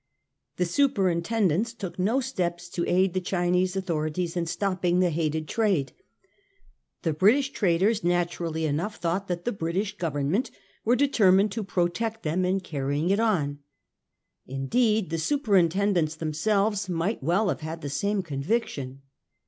The superin tendents took no steps to aid the Chinese authorities in stopping the hated trade. The British traders naturally enough thought that the British Govern ment were determined to protect them in carrying it on. Indeed the superintendents themselves might well have had the same conviction.